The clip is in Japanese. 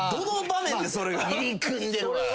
どの場面で。